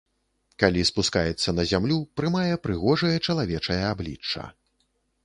Калі спускаецца на зямлю, прымае прыгожае чалавечае аблічча.